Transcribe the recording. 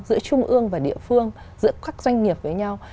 giữa trung ương và địa phương giữa các doanh nghiệp với nhau